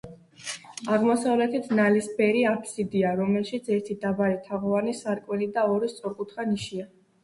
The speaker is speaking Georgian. აღმოსავლეთით ნალისებრი აბსიდია, რომელშიც ერთი დაბალი თაღოვანი სარკმელი და ორი სწორკუთხა ნიშია.